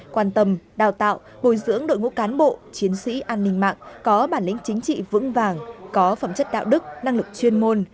quan tâm đào tạo bồi dưỡng đội ngũ cán bộ chiến sĩ an ninh mạng có bản lĩnh chính trị vững vàng có phẩm chất đạo đức năng lực chuyên môn